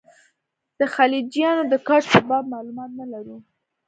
د خلجیانو د کوچ په باب معلومات نه لرو.